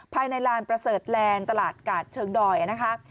ภายในลานประเสริฐแลนด์ตลาดกาดเชิงดอยนะคะ